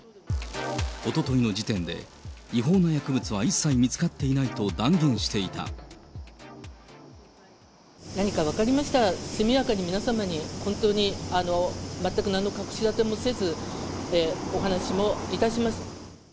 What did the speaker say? おとといの時点で違法な薬物は一切見つかっていないと断言し何か分かりましたら、速やかに皆様に、本当に全くなんの隠し立てもせず、お話もいたします。